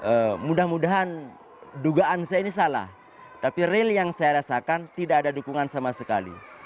eee mudah mudahan dugaan saya ini salah tapi real yang saya rasakan tidak ada dukungan sama sekali